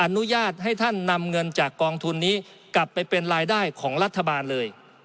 อนุญาตให้ท่านนำเงินจากกองทุนนี้กลับไปเป็นรายได้ของรัฐบาลเลย